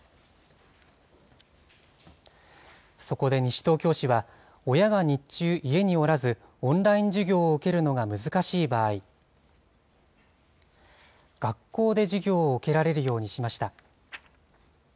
そこで西東京市は、親が日中家におらず、オンライン授業を受けるのが難しい場合、学校で授業を受けられるようにしました。